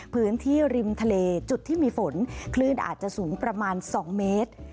พื้นที่ริมทะเลจุดที่มีฝนคลื่นอาจจะสูงประมาณ๒เมตร